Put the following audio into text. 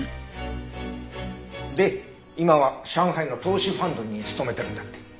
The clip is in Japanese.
で今は上海の投資ファンドに勤めてるんだって。